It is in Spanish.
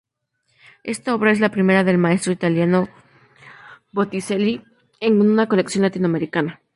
Esta obra es la primera del maestro italiano Botticelli en una colección latinoamericana.